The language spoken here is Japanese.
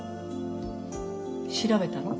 調べたの？